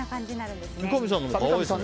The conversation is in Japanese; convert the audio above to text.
三上さんのも可愛いですね。